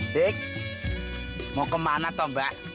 dik mau kemana tuh mbak